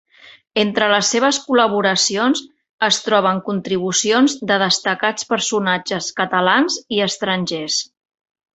Entre les seves col·laboracions, es troben contribucions de destacats personatges catalans i estrangers.